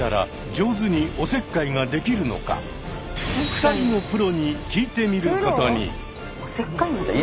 ２人のプロに聞いてみることに。